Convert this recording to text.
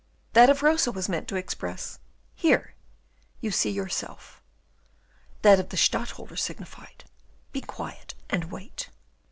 That of Rosa was meant to express, "Here, you see yourself." That of the Stadtholder signified, "Be quiet, and wait."